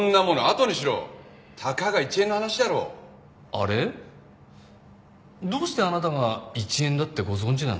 どうしてあなたが１円だってご存じなんです？